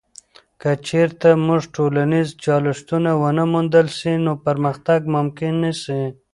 که چیرته موږ ټولنیز چالشونه ونه موندل سي، نو پرمختګ ممکن نه سي.